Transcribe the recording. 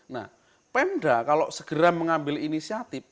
nah pemda kalau segera mengambil inisiatif